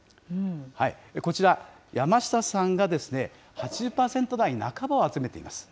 こちら、山下さんが８０％台半ばを集めています。